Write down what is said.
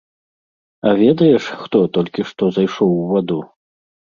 А ведаеш, хто толькі што зайшоў у ваду?